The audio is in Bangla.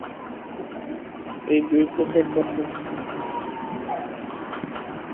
এই দুই প্রকার কথার ভিতর বিশেষ পার্থক্য আছে।